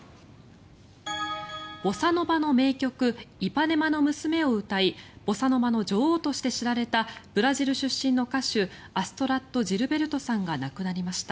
ボサノバの名曲「イパネマの娘」を歌いボサノバの女王として知られたブラジル出身の歌手アストラッド・ジルベルトさんが亡くなりました。